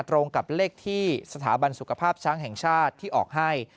ตรงกับเลขที่สถาบันสุขภาพช้างแห่งชาติที่ออกให้